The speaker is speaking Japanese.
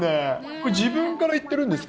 これ、自分からいってるんですか？